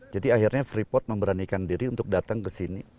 jadi akhirnya frippold memberanikan diri untuk datang ke sini